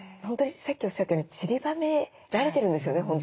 本当にさっきおっしゃったようにちりばめられてるんですよね